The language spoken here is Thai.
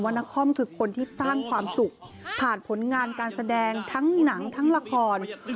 นครคือคนที่สร้างความสุขผ่านผลงานการแสดงทั้งหนังทั้งละคร